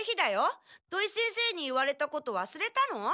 土井先生に言われたことわすれたの？